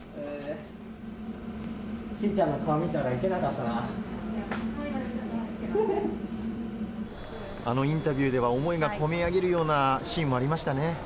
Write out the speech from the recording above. しーちゃんの顔見たら、あのインタビューでは思いが込み上げるようなシーンもありましたね。